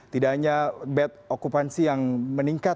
tidak hanya bed okupansi yang meningkat